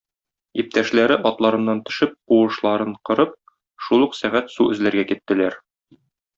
Иптәшләре, атларыннан төшеп, куышларын корып, шул ук сәгать су эзләргә киттеләр.